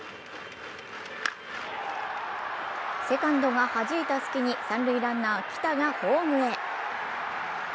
セカンドがはじいた隙に三塁ランナー・来田がホームへ。